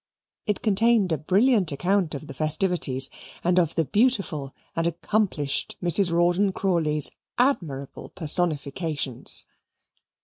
It contained a brilliant account of the festivities and of the beautiful and accomplished Mrs. Rawdon Crawley's admirable personifications.